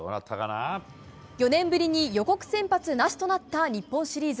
４年ぶりに予告先発なしとなった日本シリーズ。